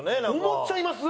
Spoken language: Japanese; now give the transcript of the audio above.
思っちゃいます？